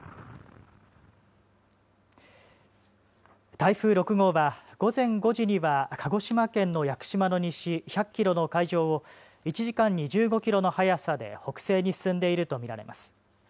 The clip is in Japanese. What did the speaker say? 台風６号は、午前５時には鹿児島県の屋久島の西１００キロの海上を１時間に１５キロの速さで北西に進んでいると見られます。